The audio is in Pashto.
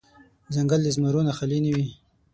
ځنګل د زمرو نه خالې نه وي.